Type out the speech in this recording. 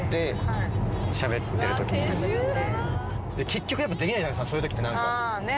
結局やっぱできないそういうときって何か。